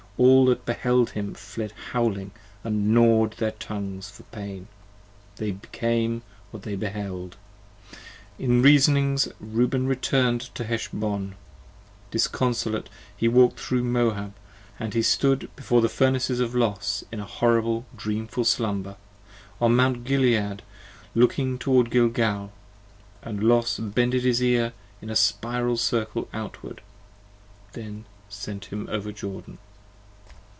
All that beheld him fled howling and gnawed their tongues For pain: they became what they beheld. In reasonings Reuben returned 10 To Heshbon: disconsolate he walk'd thro' Moab & he stood Before the Furnaces of Los in a horrible dreamful slumber, On Mount Gilead looking toward Gilgal : and Los bended His Ear in a spiral circle outward; then sent him over Jordan.